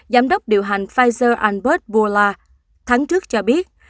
giám đốc điều hành pfizer albert bourla tháng trước cho biết